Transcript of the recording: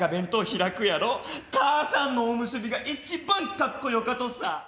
母さんのおむすびが一番かっこ良かとさ。